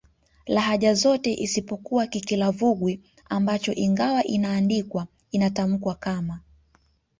lahaja zote isipokuwa Kikilavwugi ambacho ingawa inaandikwa inatamkwa kama